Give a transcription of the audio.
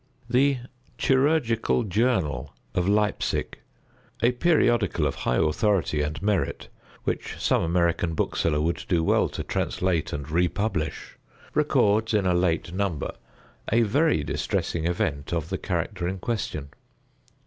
The "Chirurgical Journal" of Leipsic, a periodical of high authority and merit, which some American bookseller would do well to translate and republish, records in a late number a very distressing event of the character in question.